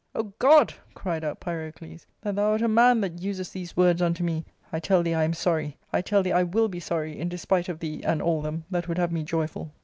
" O God," cried out Pyrocles, " that thou wert a man that usest these words unto me ! I tell thee I am sorry, I tell thee I will be sorry, in despite of thee and all them that would have me joyful."